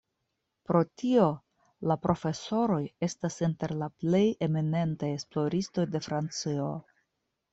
Pro tio, la profesoroj estas inter la plej eminentaj esploristoj de Francio.